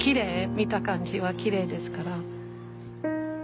見た感じはきれいですから。